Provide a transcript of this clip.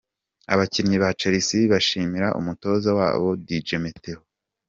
Abakinnyi ba Chelsea bashimira umutoza wabo, Di Mateo.